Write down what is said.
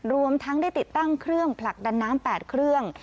รวมทั้งได้ติดตั้งเครื่องผลักดันน้ำ๘เครื่อง